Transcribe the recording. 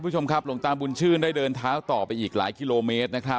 หลังจากนั้นลงตามบุญชื่นได้เดินทางต่อไปอีกหลายคลีโลเมตร